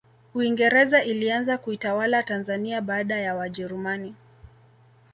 uingereza ilianza kuitawala tanzania baada ya wajerumani